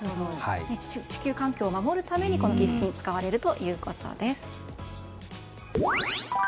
地球環境を守るために寄付金は使われるということです。